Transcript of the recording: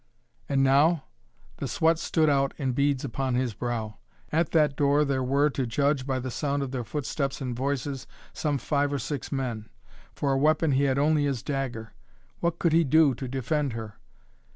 And now? The sweat stood out in beads upon his brow. At that door there were, to judge by the sound of their footsteps and voices, some five or six men. For a weapon he had only his dagger. What could he do to defend her?